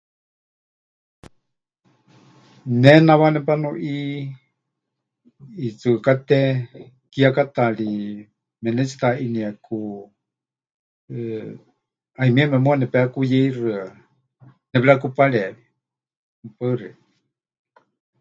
Ne nawá nepanuʼi ʼiitsɨkáte kiekátaari menetsiʼutaʼinieku, eh, hayumieme muuwa nepekuyeixɨa, nepɨrekupareewi. Mɨpaɨ xeikɨ́a.